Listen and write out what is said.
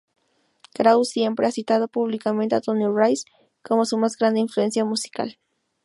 Krauss siempre ha citado públicamente a Tony Rice como su más grande influencia musical.